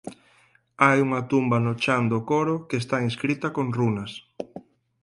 Hai unha tumba no chan do coro que está inscrita con runas.